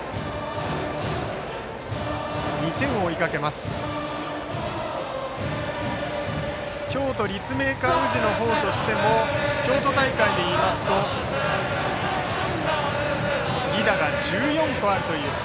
２点を追いかける京都・立命館宇治の方としても京都大会でいいますと犠打が１４個あるという。